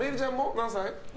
何歳？